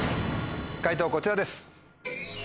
解答こちらです。